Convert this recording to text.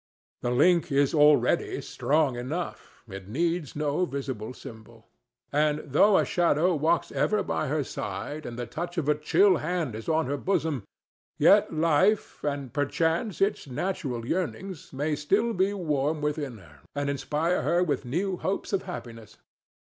The link is already strong enough; it needs no visible symbol. And, though a shadow walks ever by her side and the touch of a chill hand is on her bosom, yet life, and perchance its natural yearnings, may still be warm within her and inspire her with new hopes of happiness.